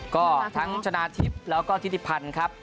ก็ทั้งชนะทิพย์แล้วก็ทิศิพันธ์ครับ